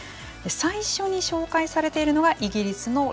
最初に紹介されているのがイギリスのロンドン。